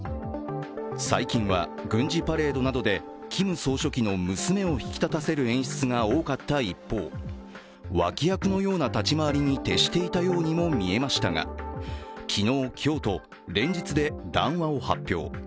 最近は軍事パレードなどでキム総書記の娘を引き立たせる演出が多かった一方、脇役のような立ち回りに徹していたようにも見えましたが、昨日今日と連日で談話を発表。